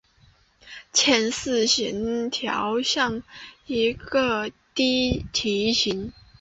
前四弦调像一个低提琴。